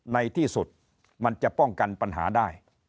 ในที่สุดมันจะป้องกันปัญหาได้